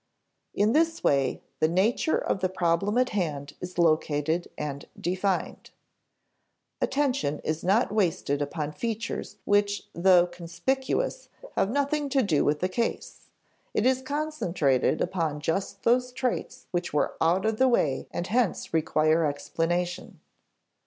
In this way, the nature of the problem at hand is located and defined. Attention is not wasted upon features which though conspicuous have nothing to do with the case; it is concentrated upon just those traits which are out of the way and hence require explanation.